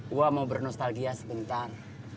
gua mau bernostalgia sebentar